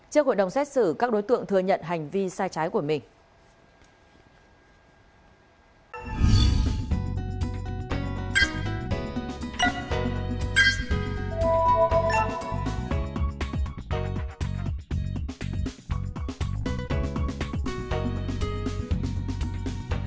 trước hội đồng xét xử các đối tượng thừa nhận hành vi sai trái của mình